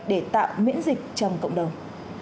để tạo miễn dịch trong cộng đồng